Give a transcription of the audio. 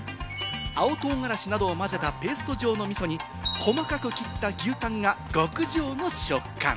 青唐辛子などを混ぜたペースト状のみそに細かく切った牛タンが極上の食感。